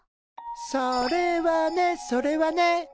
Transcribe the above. それはねそれはね。